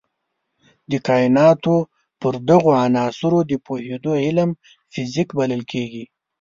د کایناتو پر دغو عناصرو د پوهېدو علم فزیک بلل کېږي.